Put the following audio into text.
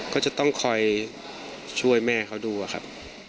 ก็จะต้องคอยช่วยแม่เขาดูอะครับ